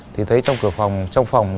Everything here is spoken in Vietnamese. thì thấy trong cửa phòng